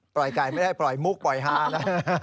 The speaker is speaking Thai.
ไก่ไม่ได้ปล่อยมุกปล่อยฮานะ